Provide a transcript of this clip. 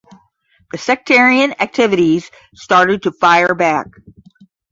The sectarian activities started to fire back.